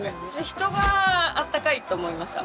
人が温かいと思いました。